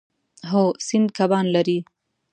هو، سیند کبان لري